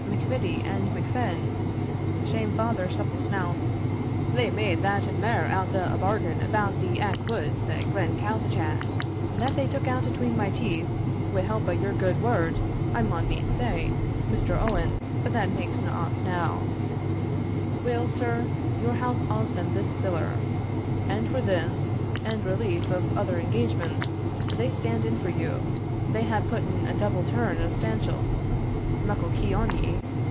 MacVittie and MacFin (shame fa' their souple snouts! they made that and mair out o' a bargain about the aik woods at Glen Cailziechat, that they took out atween my teeth wi' help o' your gude word, I maun needs say, Mr. Owen but that makes nae odds now) Weel, sir, your house awes them this siller; and for this, and relief of other engagements they stand in for you, they hae putten a double turn o' Stanchells' muckle key on ye.